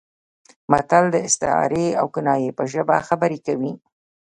متل د استعارې او کنایې په ژبه خبرې کوي